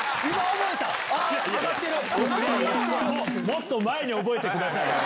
もっと前に覚えてくださいよ。